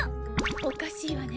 おかしいわね